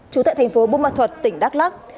trú tại thành phố bung mật thuật tỉnh đắk lắc